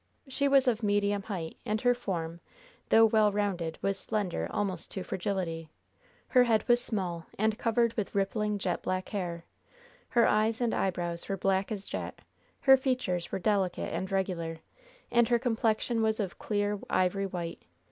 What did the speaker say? She was of medium height, and her form, though well rounded, was slender almost to fragility. Her head was small, and covered with rippling, jet black hair. Her eyes and eyebrows were black as jet; her features were delicate and regular; and her complexion was of a clear, ivory white.